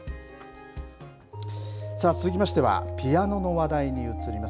さあ、続きましては、ピアノの話題に移ります。